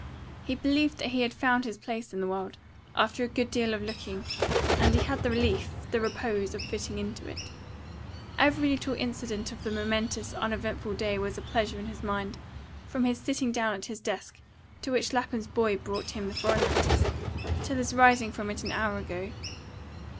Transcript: He believed that he had found his place in the world, after a good deal of looking, and he had the relief, the repose, of fitting into it. Every little incident of the momentous, uneventful day was a pleasure in his mind, from his sitting down at his desk, to which Lapham's boy brought him the foreign letters, till his rising from it an hour ago.